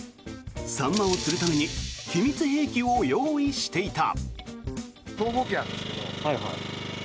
サンマを釣るために秘密兵器を用意していた。